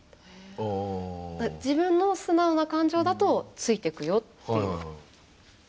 自分の素直な感情だとついてくよっていう。